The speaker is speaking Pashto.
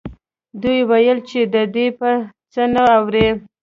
دوی ویل چې دی به څه نه واوري